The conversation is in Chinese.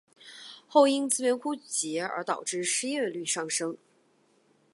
后因资源枯竭而导致失业率上升。